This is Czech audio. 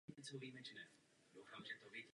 Ale neučinila tak.